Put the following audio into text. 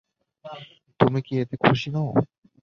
তুমি কি এতে খুশি নও?